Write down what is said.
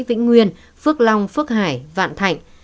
vĩnh nguyên phước long phước hải vạn thạnh